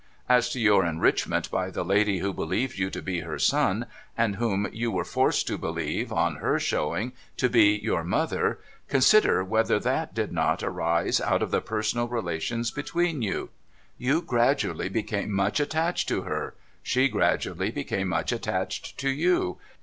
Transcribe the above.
As to your enrichment by the lady who believed you to be her son, and whom you were forced to believe, on her showing, to be your mother, consider whether that did not arise out of the personal relations between you. You gradually became much attached to her ; she gradually became much attached to you.